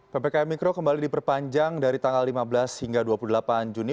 ppkm mikro kembali diperpanjang dari tanggal lima belas hingga dua puluh delapan juni